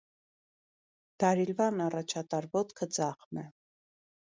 Դարիլվան առաջատար ոտքը ձախն է։